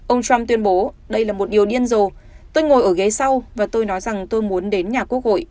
ông trump tuyên bố đây là một điều điên rồ tôi ngồi ở ghế sau và tôi nói rằng tôi muốn đến nhà quốc hội